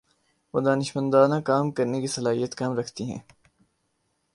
وہ دانشمندانہ کام کرنے کی صلاحیت کم رکھتی ہیں